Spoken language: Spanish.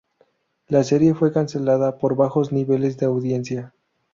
La serie fue cancelada por bajos niveles de audiencia.